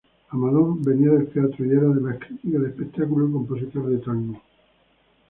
Amadori venía del teatro y era además crítico de espectáculos y compositor de tangos.